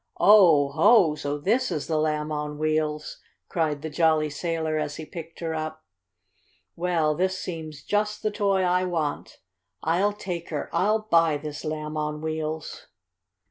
"Oh, ho! So this is the Lamb on Wheels!" cried the jolly sailor as he picked her up. "Well, this seems just the toy I want. I'll take her! I'll buy this Lamb on Wheels!"